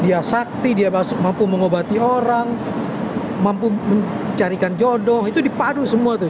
dia sakti dia mampu mengobati orang mampu mencarikan jodoh itu dipadu semua tuh